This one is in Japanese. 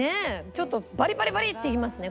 ちょっとバリバリバリっていいますね。